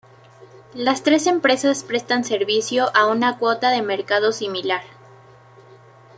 Las tres empresas prestan servicio a una cuota de mercado similar.